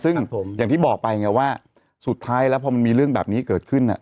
ซึ่งอย่างที่บอกไปไงว่าสุดท้ายแล้วพอมันมีเรื่องแบบนี้เกิดขึ้น